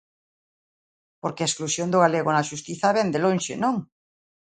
Porque a exclusión do galego na xustiza vén de lonxe, ¿non?